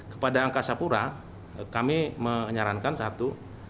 kepada angkasa pura kami menyarankan satu